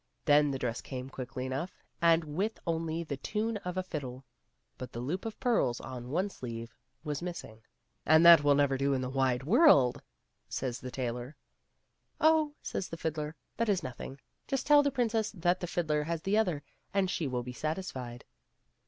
Then the dress came quickly enough, and with only the tune of a fiddle. But the loop of pearls on one sleeve was missing. " And that will never do in the wide world," says the tailor. " Oh," says the fiddler, " that is nothing ; just tell the princess that the fiddler has the other, and she will be satisfied."